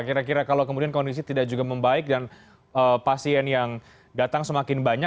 kira kira kalau kemudian kondisi tidak juga membaik dan pasien yang datang semakin banyak